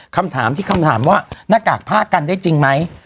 คำถามที่คำถามว่าหน้ากากผ้ากันได้จริงไหม